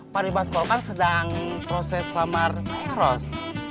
pak ribas kau kan sedang proses lamar peros